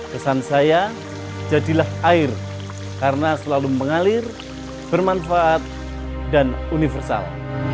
kesan saya jadilah air karena selalu mengalir bermanfaat dan universal